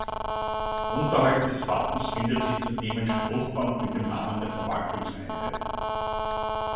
Unterhalb des Wappens findet sich zudem ein Spruchband mit dem Namen der Verwaltungseinheit.